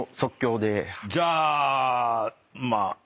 じゃあまあ。